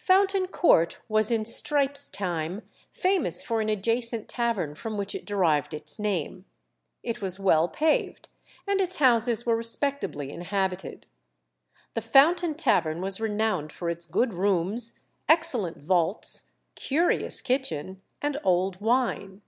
Fountain Court was in Strype's time famous for an adjacent tavern from which it derived its name. It was well paved, and its houses were respectably inhabited. The Fountain Tavern was renowned for its good rooms, excellent vaults, "curious kitchen," and old wine.